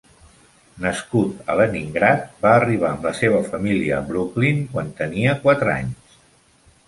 Nascut a Leningrad, va arribar amb la seva família a Brooklyn quan tenia quatre anys.